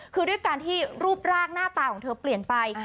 คือด้วยการที่รูปร่างหน้าตาของเธอเปลี่ยนไป